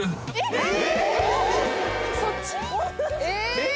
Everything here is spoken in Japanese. えっ！？